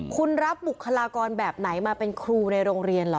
คุณรับบุคลากรแบบไหนมาเป็นครูในโรงเรียนเหรอ